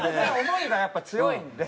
思いがやっぱり強いんで。